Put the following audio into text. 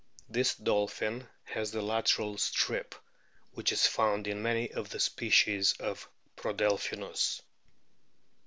This dolphin has the lateral strip which is found in many of the species of Prodelphinus.